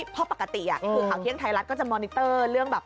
เพราะปกติคือข่าวเที่ยงไทยรัฐก็จะมอนิเตอร์เรื่องแบบ